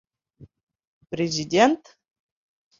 Президент!